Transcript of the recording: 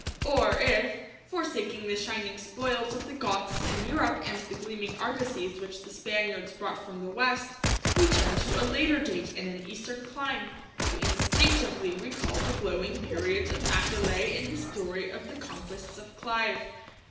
Or if, forsaking the shining spoils of the Goths in Europe and the gleaming argosies which the Spaniards brought from the West, we turn to a later date and an Eastern clime, we instinctively recall the glowing periods of Macaulay in his story of the conquests of Clive.